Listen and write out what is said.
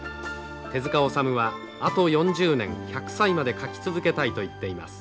手塚治虫はあと４０年１００歳まで描き続けたいと言っています。